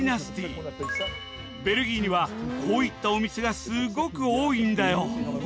ベルギーにはこういったお店がすごく多いんだよ。